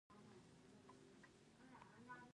ښارونه د افغان تاریخ په کتابونو کې شته.